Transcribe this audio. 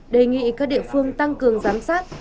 đề nghị các địa phương tăng cường giám sát